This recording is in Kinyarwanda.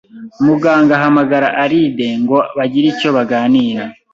Muganga ahamgara Alide ngo bagire icyo baganira.